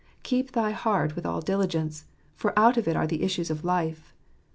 "Keep thy heart with all diligence; for out of it are the issues of life."